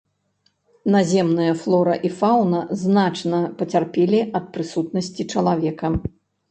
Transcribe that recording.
Наземныя флора і фаўна значна пацярпелі ад прысутнасці чалавека.